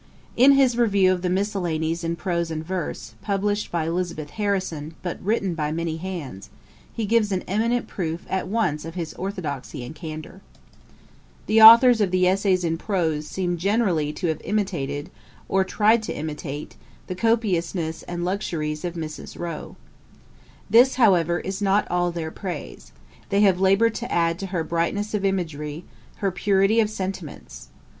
In his review of the Miscellanies in prose and verse, published by Elizabeth Harrison, but written by many hands, he gives an eminent proof at once of his orthodoxy and candour: 'The authours of the essays in prose seem generally to have imitated, or tried to imitate, the copiousness and luxuriance of Mrs. Rowe, This, however, is not all their praise; they have laboured to add to her brightness of imagery, her purity of sentiments.